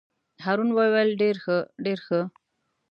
هارون وویل: ډېر ښه ډېر ښه.